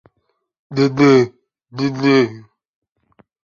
Přístup shora i zdola se musí vzájemně doplňovat.